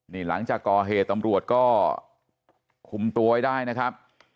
นี่หลังจากก่อเหตุตำรวจก็คุมตัวไว้ได้นะครับ